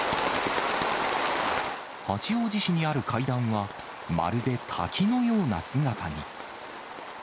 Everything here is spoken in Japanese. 八王子市にある階段は、まるで滝のような姿に。